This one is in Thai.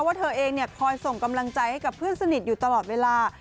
ว่าเธอเองคอยส่งกำลังใจให้กับเพื่อนสนิทอยู่ตลอดเวลา